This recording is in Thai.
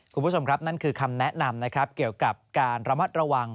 คุณผู้ชมครับนั่นคือคำแนะนำนะครับเกี่ยวกับการระมัดระวัง